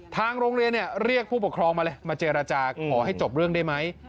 ทางโรงเรียนเรียกผู้ปกครองมาเลยมาเจรจาขอให้จบเรื่องได้ไหม